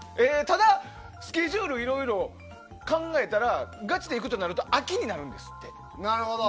ただ、スケジュールいろいろ考えたらガチで行くとなると秋になるんですって。